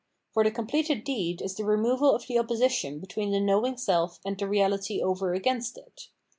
For the completed deed is the removal of the opposition between the knowing seK and the reahty over against it.